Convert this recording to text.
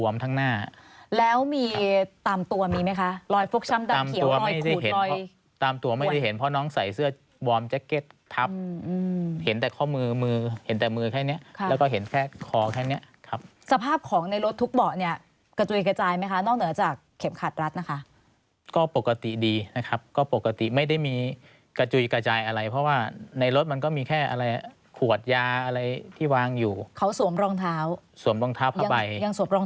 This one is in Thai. แจ๊กเก็ตทับอืมเห็นแต่ข้อมือมือเห็นแต่มือแค่เนี้ยค่ะแล้วก็เห็นแค่คอแค่เนี้ยครับสภาพของในรถทุกเบาะเนี้ยกระจุยกระจายไหมคะนอกเหนือจากเข็มขาดรัดนะคะก็ปกติดีนะครับก็ปกติไม่ได้มีกระจุยกระจายอะไรเพราะว่าในรถมันก็มีแค่อะไรขวดยาอะไรที่วางอยู่เขาสวมรองเท้าสวมรองเท้าผ้าใบยังสวมรอง